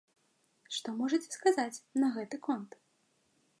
Што можаце сказаць на гэты конт?